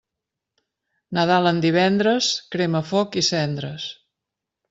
Nadal en divendres, crema foc i cendres.